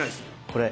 これ。